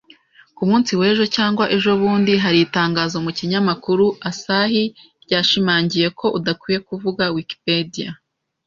Ku munsi w'ejo cyangwa ejobundi hari itangazo mu kinyamakuru Asahi ryashimangiye ko udakwiye kuvuga Wikipedia.